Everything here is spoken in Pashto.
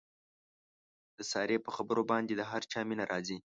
د سارې په خبرو باندې د هر چا مینه راځي.